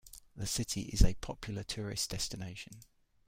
The city is a popular tourist destination.